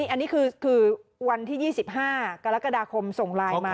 อันนี้คือวันที่๒๕กรกฎาคมส่งไลน์มา